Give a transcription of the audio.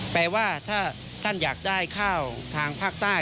แปลว่าถ้าท่านอยากได้ข้าวทางภาคใต้